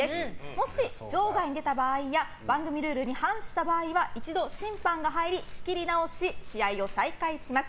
もし場外に出た場合や番組ルールに反した場合は一度審判が入り仕切り直し、試合を再開します。